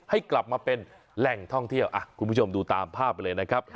ให้กลับมาเป็นแหล่งท่องเที่ยวคุณผู้ชมดูตามภาพไปเลยนะครับ